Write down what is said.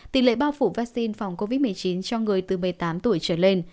tỷ lệ bao phủ vaccine phòng covid một mươi chín cho người từ một mươi tám tuổi trở lên